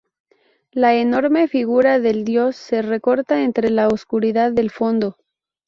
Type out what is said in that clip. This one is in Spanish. La enorme figura del dios se recorta entre la oscuridad del fondo.